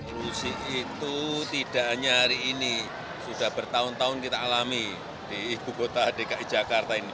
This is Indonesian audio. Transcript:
polusi itu tidak hanya hari ini sudah bertahun tahun kita alami di ibu kota dki jakarta ini